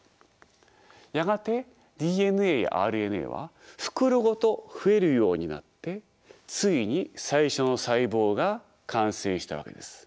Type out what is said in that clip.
やがてＤＮＡやＲＮＡは袋ごと増えるようになってついに最初の細胞が完成したわけです。